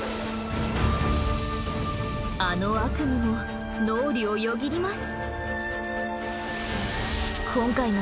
あの悪夢も脳裏をよぎります。